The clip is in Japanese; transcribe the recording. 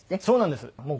そうなんです。